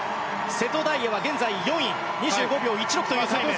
瀬戸大也は現在４位２１秒１６というタイム。